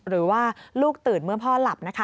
หรือว่าลูกตื่นเมื่อพ่อหลับนะคะ